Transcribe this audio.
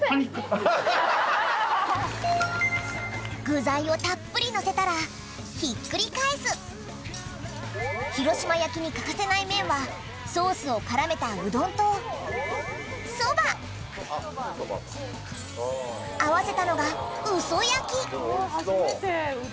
具材をたっぷりのせたらひっくり返す広島焼きに欠かせない麺はソースを絡めたうどんとそば合わせたのがおいしそう。